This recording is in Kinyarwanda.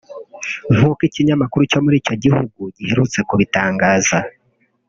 nk’uko ikinyamakuru cyo muri icyo gihugu giherutse kubitangaza